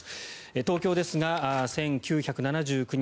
東京ですが、１９７９人。